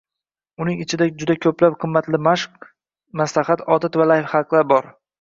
Uning ichida juda ko‘plab qimmatli maslahat, mashq, odat va layfxaklar bor